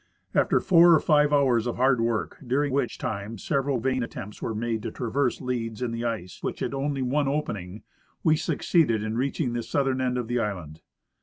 After four or five hours of hard work, during which time several vain attempts were made to traverse leads in the ice which had only one ope^iing, we succeeded in reaching the southern end of the island.